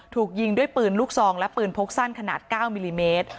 ถูกยิงด้วยปืนลูกซองและปืนพกสั้นขนาด๙มิลลิเมตร